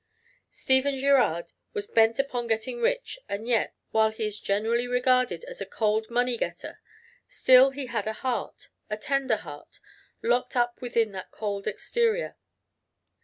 Stephen Girard was bent upon getting rich and yet, while he is generally regarded as a cold money getter, still he had a heart, a tender heart, locked up within that cold exterior.